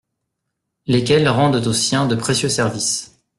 Lesquels rendent aux siens de précieux services !